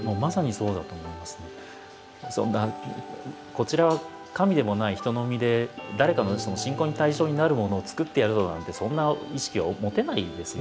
そんなこちらは神でもない人の身で「誰かの信仰の対象になるものをつくってやるぞ」なんてそんな意識は持てないですよ。